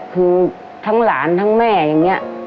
คือทั้งหลานทั้งแม่อย่างนี้